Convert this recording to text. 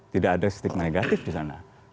tidak ada stigma negatif di sana